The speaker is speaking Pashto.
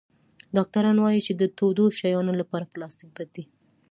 ډاکټران وایي چې د تودو شیانو لپاره پلاستيک بد دی.